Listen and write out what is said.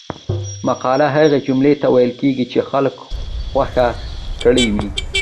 مقوله هغه جملې ته ویل کېږي چې خلکو خوښه کړې وي